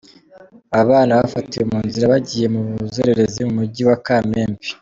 Aba bana bafatiwe mu nzira bagiye mu buzererezi mu mujyi wa Kamembe.